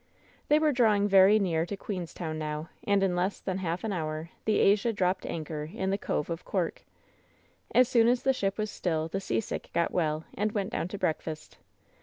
They were drawing very near to Queenstown now, and in less than half an hour the Asia dropped anchor in the Cove of Cork. As soon as the ship was still the seasick got well and went down to breakfast.